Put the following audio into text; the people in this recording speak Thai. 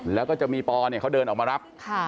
แล้วก็จะมีปอเนี่ยเขาเดินออกมารับ